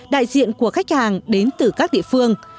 đại diện của khách hàng đến từ các địa phương